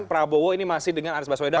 prabowo ini masih dengan anies baswedan